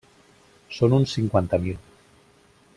Són uns cinquanta mil.